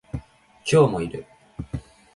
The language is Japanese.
今日もいる